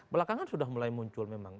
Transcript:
belakangan sudah mulai muncul memang